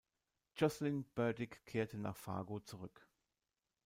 Jocelyn Burdick kehrte nach Fargo zurück.